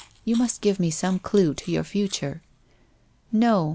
You must give me some clue to your future/ ' Xo.